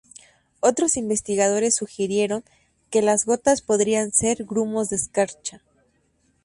Otros investigadores sugirieron que las gotas podrían ser "grumos de escarcha".